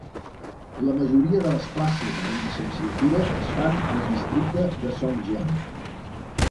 La majoria de les classes de llicenciatura es fan al districte de Songjiang.